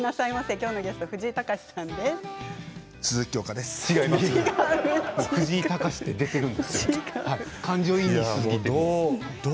きょうのゲスト藤井隆さんです。